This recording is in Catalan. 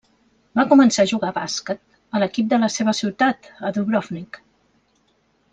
Va començar a jugar a bàsquet a l'equip de la seva ciutat, a Dubrovnik.